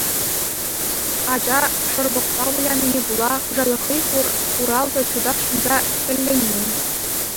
Ача шӑрпӑкпа вылянине пула, хуҫалӑхри хуралтӑ чутах ҫунса кӗлленмен.